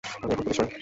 আমি এখন পুলিশ নই।